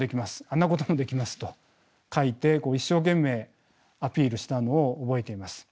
あんなこともできますと書いて一生懸命アピールしたのを覚えています。